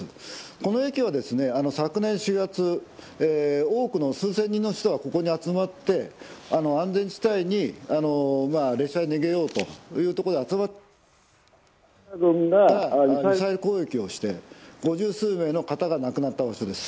この駅は、昨年４月数千人の人がここに集まって安全地帯に列車で逃げようということで集まったんですがロシア軍がミサイル攻撃をして五十数名の方が亡くなった場所です。